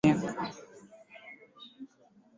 nao una umri wa mamia ya miaka